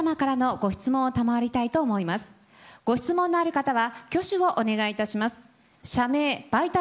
ご質問のある方は挙手をお願いします。